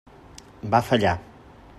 Va fallar.